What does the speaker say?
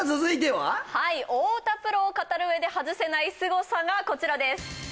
はい太田プロを語る上で外せないすごさがこちらです